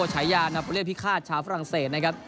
ชายานาโปรเลียพิคาทชาวฝรั่งเศส